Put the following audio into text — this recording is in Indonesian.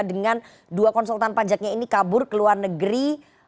dengan dua konsultan pajaknya ini kabur ke luar negeri